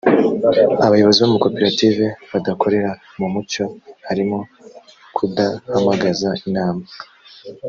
abayobozi b amakoperative badakorera mu mucyo harimo kudahamagaza inama